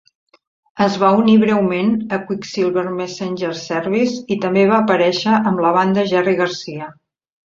Es va unir breument a Quicksilver Messenger Service i també va aparèixer amb la banda Jerry Garcia.